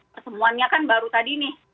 pertemuannya kan baru tadi nih